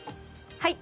はい。